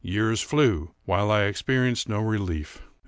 Years flew, while I experienced no relief.